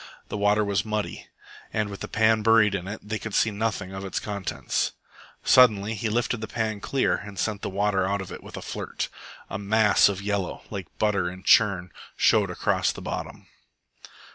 The water was muddy, and, with the pan buried in it, they could see nothing of its contents. Suddenly he lifted the pan clear and sent the water out of it with a flirt. A mass of yellow, like butter in a churn, showed across the bottom.